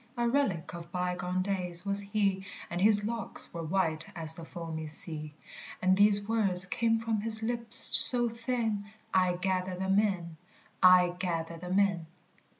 A relic of bygone days was he, And his locks were white as the foamy sea; And these words came from his lips so thin: "I gather them in: I gather them in.